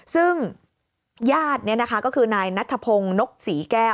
ซึ่งญาตินี่นะคะก็คือนายนัทพงศ์นกศรีแก้ว